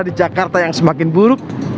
di jakarta yang semakin buruk